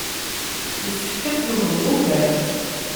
Isefk ad tlemdeḍ ugar.